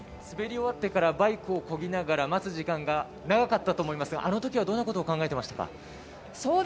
滑り終わってからバイクをこぎながら待つ時間が長かったと思いますがあの時はどんなことを考えていましたか？